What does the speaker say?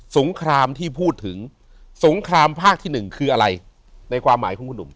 งครามที่พูดถึงสงครามภาคที่หนึ่งคืออะไรในความหมายของคุณหนุ่ม